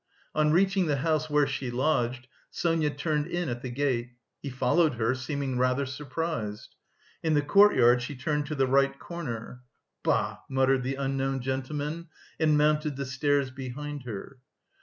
On reaching the house where she lodged, Sonia turned in at the gate; he followed her, seeming rather surprised. In the courtyard she turned to the right corner. "Bah!" muttered the unknown gentleman, and mounted the stairs behind her.